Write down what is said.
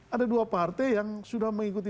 ada dua partai yang sudah mengikuti